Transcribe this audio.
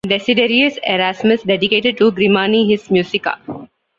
Desiderius Erasmus dedicated to Grimani his "Musica".